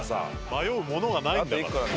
迷うものがないんだから。